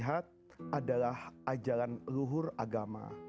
adalah ajalan luhur agama